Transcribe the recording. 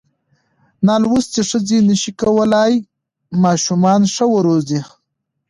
نالوستې ښځې نشي کولای ماشومان ښه وروزي.